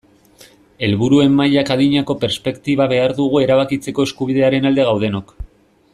Helburuen mailak adinako perspektiba behar dugu erabakitzeko eskubidearen alde gaudenok.